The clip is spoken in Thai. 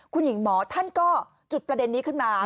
คุณหญิงหมอท่านก็จุดประเด็นนี้ขึ้นมา